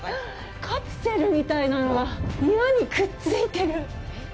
カプセルみたいなのが岩にくっついてる。